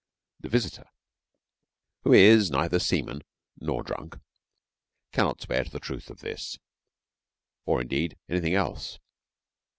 The visitor who is neither a seaman nor drunk, cannot swear to the truth of this, or indeed anything else.